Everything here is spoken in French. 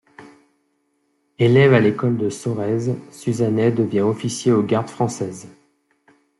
Élève à l'école de Sorèze, Suzannet devient officier aux Gardes-Françaises.